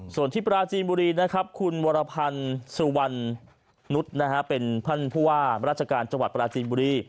ส่วนที่ปราจีนบุรีนะครับวระพันสวันนุฐ์นะฮะเป็นพันธุ์ผู้าบราชการจังหวัดปราจีนบุรี